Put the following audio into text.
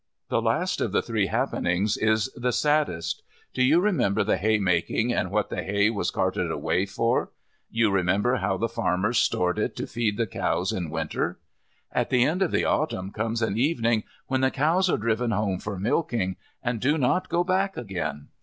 The last of the three happenings is the saddest. Do you remember the haymaking and what the hay was carted away for? You remember how the farmers stored it to feed the cows in winter. At the end of the Autumn comes an evening when the cows are driven home for milking, and do not go back again.